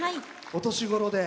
お年頃で。